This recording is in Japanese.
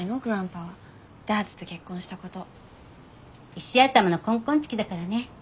石頭のコンコンチキだからね。